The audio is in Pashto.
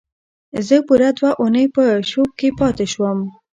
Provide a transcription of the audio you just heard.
زه پوره دوه اونۍ په شوک کې پاتې شوم